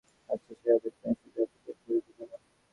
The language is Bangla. আচ্ছা, সে হবে, তুমি আসিতে এত দেরি করিলে কেন?